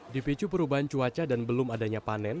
di picu perubahan cuaca dan belum adanya panen